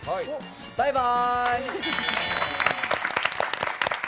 バイバイ。